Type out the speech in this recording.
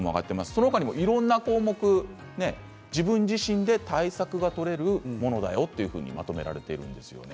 その他にもいろんな項目自分自身で対策が取れるものだよというふうにまとめられているんですね。